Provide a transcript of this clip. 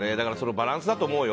バランスだと思うよ。